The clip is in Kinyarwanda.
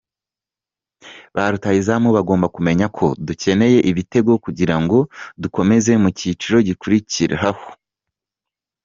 Ba rutahizamu bagomba kumenya ko dukeneye ibitego kugira ngo dukomeze mu cyiciro gikurikiraho.